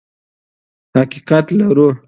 حقیقت لرو.